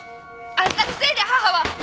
あんたのせいで母は！